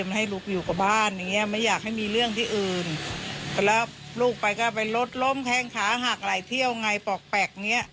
ให้ลูกอยู่กับบ้านอย่างเงี้ยไม่อยากให้มีเรื่องที่อื่นแล้วลูกไปก็เป็นรถล้มแข้งขาหักหลายเที่ยวไงปอกแปลกเนี้ย